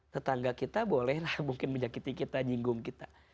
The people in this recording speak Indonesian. tetangga kita bolehlah mungkin menyakiti kita nyinggung kita